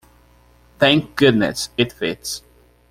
Thank goodness it fits.